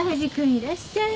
いらっしゃい。